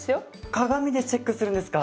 鏡でチェックするんですか。